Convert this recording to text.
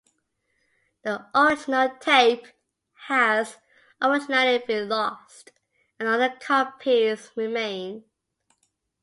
The original tape has unfortunately been lost, and only copies remain.